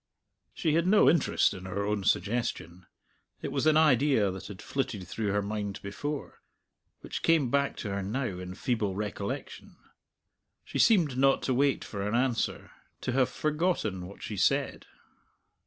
She had no interest in her own suggestion. It was an idea that had flitted through her mind before, which came back to her now in feeble recollection. She seemed not to wait for an answer, to have forgotten what she said.